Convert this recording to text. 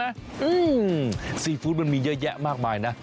อืมซีฟู้ดมันมีเยอะแยะมากมายนะ